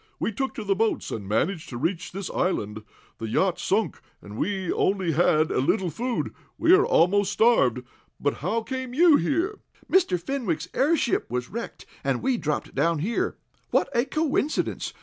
We took to the boats and managed to reach this island. The yacht sunk, and we only had a little food. We are almost starved! But how came you here?" "Mr. Fenwick's airship was wrecked, and we dropped down here. What a coincidence!